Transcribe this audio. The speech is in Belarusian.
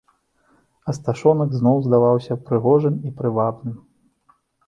Асташонак зноў здаваўся прыгожым і прывабным.